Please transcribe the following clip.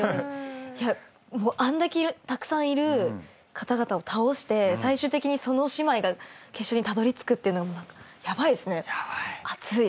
いやもうあんだけたくさんいる方々を倒して最終的にその姉妹が決勝にたどりつくっていうのがヤバいですね熱い。